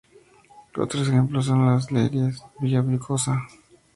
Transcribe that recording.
Otros ejemplos son las de Lieres, Villaviciosa.